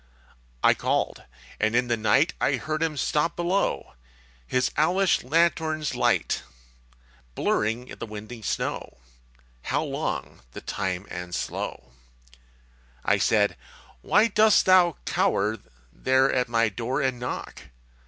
I called. And in the night I heard him stop below, His owlish lanthorn's light Blurring the windy snow How long the time and slow! I said, _Why dost thou cower There at my door and knock?